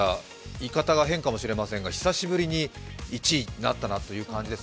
言い方が変かもしれませんが、久しぶりに１位になったなという感じです。